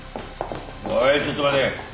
おいちょっと待て。